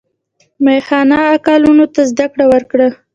میاخان اکا لوڼو ته زده کړه ورکړه.